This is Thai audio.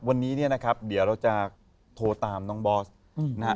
วันนี้เนี่ยนะครับเดี๋ยวเราจะโทรตามน้องบอสนะฮะ